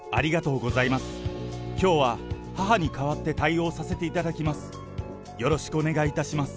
きょうは母に代わって対応させていただきます。